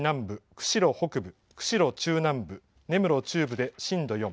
釧路北部、釧路中南部、根室中部で、震度４。